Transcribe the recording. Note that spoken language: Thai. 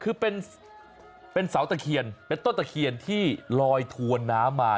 คือเป็นเสาตะเคียนเป็นต้นตะเคียนที่ลอยถวนน้ำมา